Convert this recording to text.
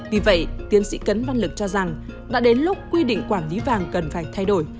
vì vậy tiến sĩ cấn văn lực cho rằng đã đến lúc quy định quản lý vàng cần phải thay đổi